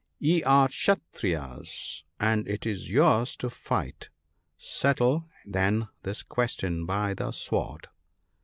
Ye are Kshattriyas — and it is yours to fight ; settle, then, this question by the sword.'